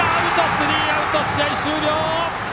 スリーアウト、試合終了！